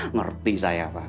ngerti saya pak